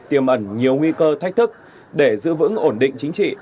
tiềm ẩn nhiều nguy cơ thách thức để giữ vững ổn định chính trị